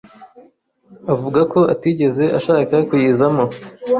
uvuga ko atigeze ashaka kuyizamo,